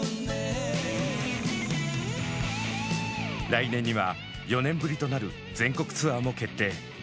来年には４年ぶりとなる全国ツアーも決定。